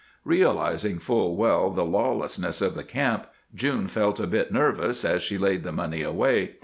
Realizing full well the lawlessness of the camp, June felt a bit nervous as she laid the money away.